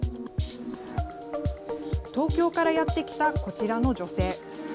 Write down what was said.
東京からやって来たこちらの女性。